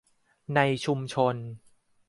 ในชุมชน